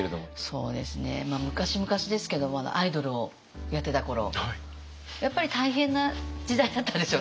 そうですね昔々ですけどもアイドルをやってた頃やっぱり大変な時代だったんですよ